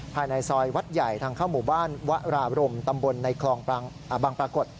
ภายในซอยวัดใหญ่ทางเข้าหมู่บ้านวราบรมตำบลในคลองบางปรากฏ